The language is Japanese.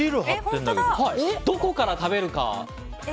どこから食べるか。